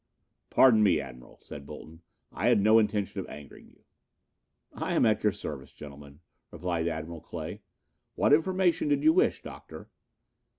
"Pardon me, Admiral," said Bolton. "I had no intention of angering you." "I am at your service, gentlemen," replied Admiral Clay. "What information did you wish, Doctor?"